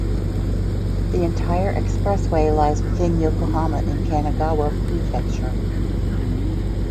The entire expressway lies within Yokohama in Kanagawa Prefecture.